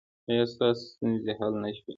ایا ستاسو ستونزې حل نه شوې؟